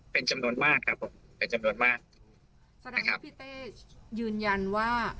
เป็นจำนวนมากครับผมเป็นจำนวนมากแสดงให้พี่เต้ยืนยันว่า